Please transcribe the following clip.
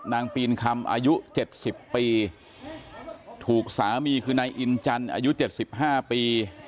ปีนคำอายุ๗๐ปีถูกสามีคือนายอินจันทร์อายุ๗๕ปี